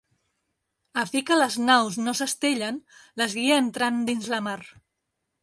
A fi que les naus no s'estellen, les guia entrant dins la mar.